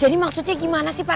jadi maksudnya gimana sih pak rt